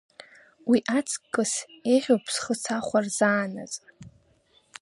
Уи аҵкыс еиӷьуп схы сахәар заанаҵ.